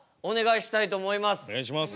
お願いします。